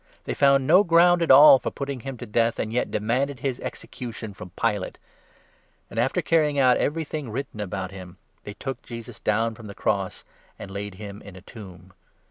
They found no ground at all 28 for putting him to death, and yet demanded his execution from Pilate ; and, after carrying out everything written 29 about him, they took Jesus down from the cross, and laid him in a tomb.